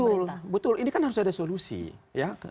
betul betul ini kan harus ada solusi ya